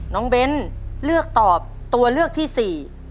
น้องเบ้นเลือกตอบตัวเลือกที่สี่